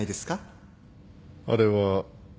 あれは。